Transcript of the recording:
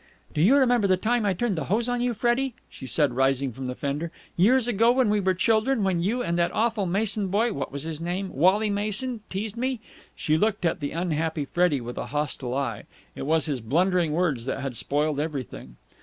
"Do you remember the time I turned the hose on you, Freddie," she said, rising from the fender, "years ago, when we were children, when you and that awful Mason boy what was his name? Wally Mason teased me?" She looked at the unhappy Freddie with a hostile eye. It was his blundering words that had spoiled everything.